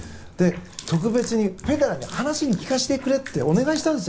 特別にフェデラーに話を聞かせてくれってお願いしたんです。